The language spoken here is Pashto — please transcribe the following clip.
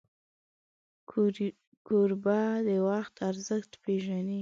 کوربه د وخت ارزښت پیژني.